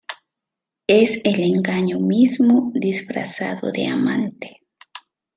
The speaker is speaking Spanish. Es el engaño mismo disfrazado de amante.